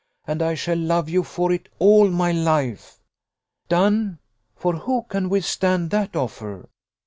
and I shall love you for it all my life." "Done! for who can withstand that offer?